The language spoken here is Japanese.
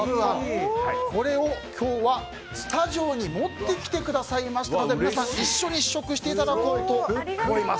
これを今日はスタジオに持ってきてくださいましたので皆さん、一緒に試食していただこうと思います。